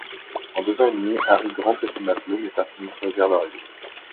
En deux ans et demi, Harry Grant et ses matelots métamorphosèrent leur îlot.